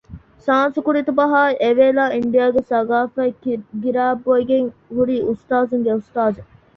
ސާންސުކުރިތުބަހާއި އެވޭލާ އިންޑިއާގެ ސަގާފަތް ގިރައިބޮއިގެން ހުރި އުސްތާޒުންގެ އުސްތާޒެއް